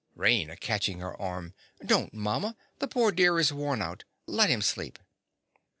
RAINA. (catching her arm). Don't, mamma: the poor dear is worn out. Let him sleep.